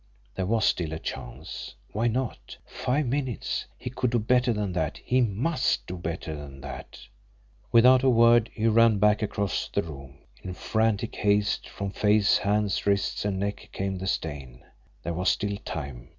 There was still a chance! Why not! Five minutes! He could do better than that! He MUST do better than that! Without a word, he ran back across the room. In frantic haste, from face, hands, wrists, and neck came the stain. There was still time.